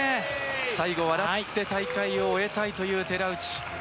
最後笑って大会を終えたいという寺内。